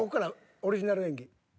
オリジナル演技。